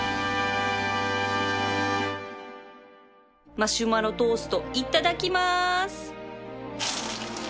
マシュマロトーストいただきます！